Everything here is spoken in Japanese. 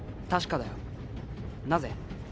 確かだよなぜ？